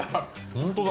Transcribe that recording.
本当だ。